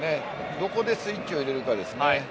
どこでスイッチを入れるかですね。